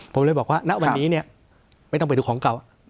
ผมเลยบอกว่าณวันนี้เนี่ยไม่ต้องไปดูของเก่า